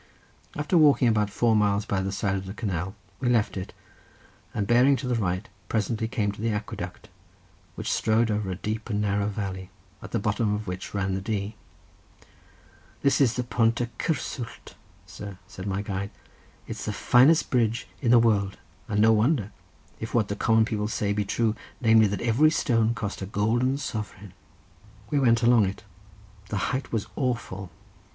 After walking about four miles by the side of the canal we left it, and bearing to the right presently came to the aqueduct, which strode over a deep and narrow valley, at the bottom of which ran the Dee. "This is the Pont y Cysswllt, sir," said my guide; "it's the finest bridge in the world, and no wonder, if what the common people say be true, namely that every stone cost a golden sovereign." We went along it; the height was awful.